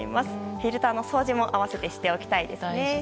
フィルターのお掃除も合わせてしておきたいですね。